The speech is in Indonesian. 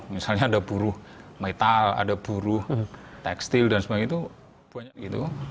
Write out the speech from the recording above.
misalnya ada buruh metal ada buruh tekstil dan semuanya itu